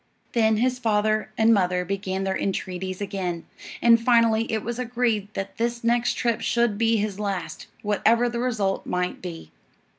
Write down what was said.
Then his father and mother began their entreaties again, and finally it was agreed that this next trip should be his last, whatever the result might be.